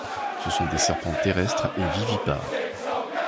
Ce sont des serpents terrestres et vivipares.